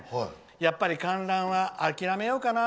やっぱり観覧は諦めようかな